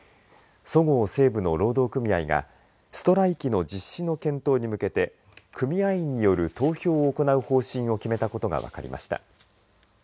そごう・西武の労働組合がストライキの実施の検討に向けて組合員による投票を行う方針を決めたことが分かりました。